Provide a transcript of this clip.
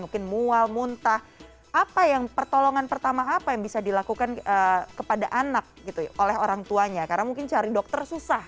mungkin mual muntah apa yang pertolongan pertama apa yang bisa dilakukan kepada anak gitu oleh orang tuanya karena mungkin cari dokter susah